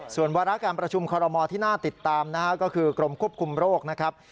ส่วนวาระการประชุมคอรมอลที่น่าติดตามนะฮะก็คือกรมควบคุมโรคนะครับ